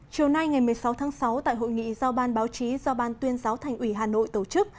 chiều nay ngày một mươi sáu tháng sáu tại hội nghị giao ban báo chí do ban tuyên giáo thành ủy hà nội tổ chức